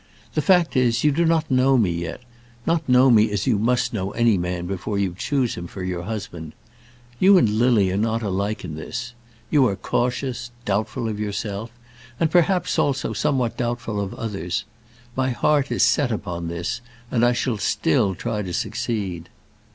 The fact is, you do not know me yet, not know me as you must know any man before you choose him for your husband. You and Lily are not alike in this. You are cautious, doubtful of yourself, and perhaps, also, somewhat doubtful of others. My heart is set upon this, and I shall still try to succeed."